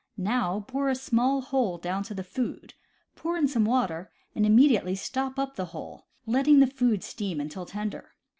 Now bore a small hole down to the food, pour in some water, and immediately stop up the hole, letting the food steam until tender.